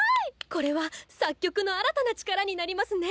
これは作曲の新たな力になりますね！